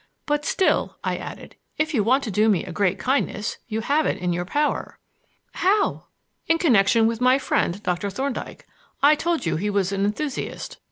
But still," I added, "if you want to do me a great kindness, you have it in your power." "How?" "In connection with my friend, Doctor Thorndyke. I told you he was an enthusiast.